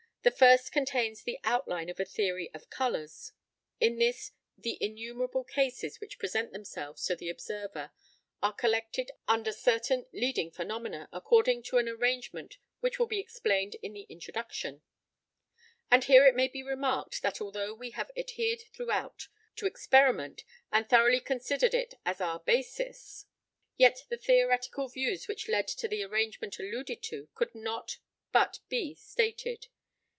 The first contains the outline of a theory of colours. In this, the innumerable cases which present themselves to the observer are collected under certain leading phenomena, according to an arrangement which will be explained in the Introduction; and here it may be remarked, that although we have adhered throughout to experiment, and throughout considered it as our basis, yet the theoretical views which led to the arrangement alluded to, could not but be stated.